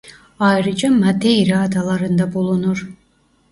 Ayrıca Madeira adalarında bulunur.